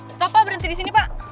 stop ah berhenti disini pak